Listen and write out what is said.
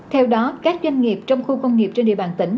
theo đó các doanh nghiệp trong khu công nghiệp trên địa bàn tỉnh